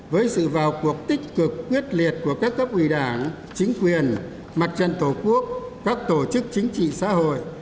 với sự vào cuộc tích cực quyết liệt của các cấp ủy đảng chính quyền mặt trận tổ quốc các tổ chức chính trị xã hội